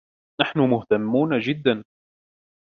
نحن مهتمون جدا.